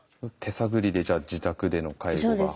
手探りでじゃあ自宅での介護が。